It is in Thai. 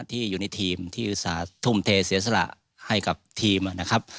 ที่อยู่ในทีมที่อุตส่าห์ทุ่มเทเสียสละให้กับทีมนะครับ